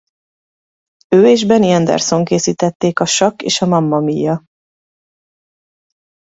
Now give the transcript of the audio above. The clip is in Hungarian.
Ő és Benny Andersson készítették a Sakk és a Mamma Mia!